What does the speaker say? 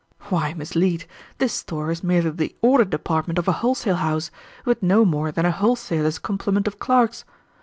Why, Miss Leete, this store is merely the order department of a wholesale house, with no more than a wholesaler's complement of clerks.